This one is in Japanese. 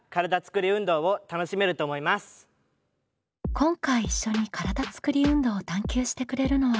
今回一緒に体つくり運動を探究してくれるのは。